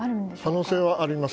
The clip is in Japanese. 可能性はあります。